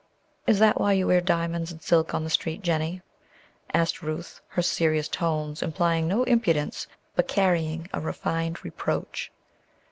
"Is that why you wear diamonds and silk on the street, Jennie?" asked Ruth, her serious tones implying no impudence, but carrying a refined reproach.